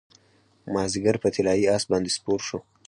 مازدیګر په طلايي اس باندې سپور شو